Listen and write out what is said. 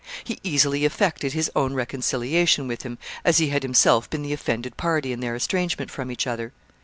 He easily effected his own reconciliation with him, as he had himself been the offended party in their estrangement from each other.